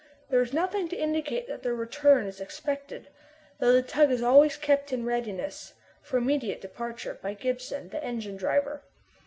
There is nothing to indicate that their return is expected, though the tug is always kept in readiness for immediate departure by Gibson, the engine driver.